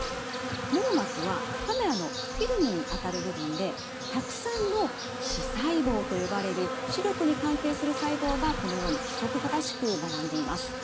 網膜はカメラのフィルムにあたる部分でたくさんの視細胞と呼ばれる視力に関係する細胞がこのように規則正しく並んでいます。